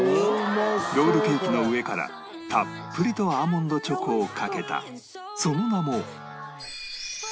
ロールケーキの上からたっぷりとアーモンドチョコをかけたその名も